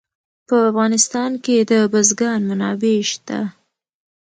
په افغانستان کې د بزګان منابع شته.